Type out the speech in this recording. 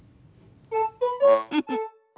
フフフ。